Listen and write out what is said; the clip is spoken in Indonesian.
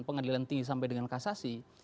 pengadilan tinggi sampai dengan kasasi